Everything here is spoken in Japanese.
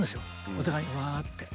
お互いにうわって。